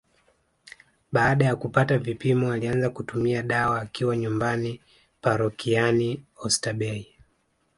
Baada ya kupata vipimo alianza kutumia dawa akiwa nyumbani parokiani ostabei